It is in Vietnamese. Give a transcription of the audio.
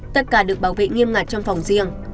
tất cả được bảo vệ nghiêm ngặt trong phòng riêng